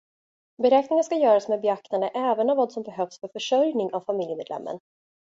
Beräkningen ska göras med beaktande även av vad som behövs för försörjning av familjemedlemmen.